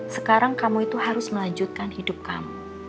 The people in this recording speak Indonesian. sekarang kamu itu harus melanjutkan hidup kamu